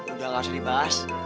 udah gak usah dibahas